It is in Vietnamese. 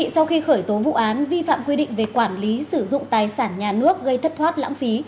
sau khi khởi tố vụ án vi phạm quy định về quản lý sử dụng tài sản nhà nước gây thất thoát lãng phí